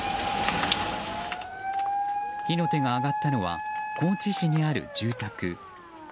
火の手が上がったのは高知市にある住宅。